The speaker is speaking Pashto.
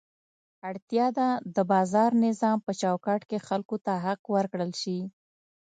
اړتیا ده د بازار نظام په چوکاټ کې خلکو ته حق ورکړل شي.